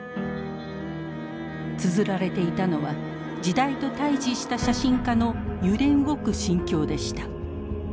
つづられていたのは時代と対峙した写真家の揺れ動く心境でした。